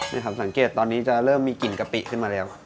นี่ครับสังเกตตอนนี้จะเริ่มมีกลิ่นกะปิขึ้นมาแล้ว